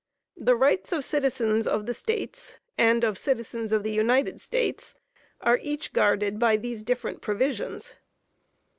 The rights of citizens of the States and of citizens of the United States are each guarded by these different provisions.